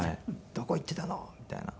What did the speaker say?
「どこ行ってたの！」みたいな。